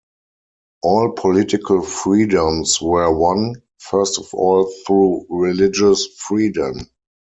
All political freedoms were won, first of all, through religious freedom.